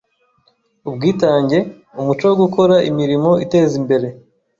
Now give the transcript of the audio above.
Ubwitange: Umuco wo gukora imirimo iteza imbere